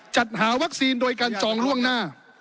จัดหาวัคซีนโดยการจองล่วงหน้า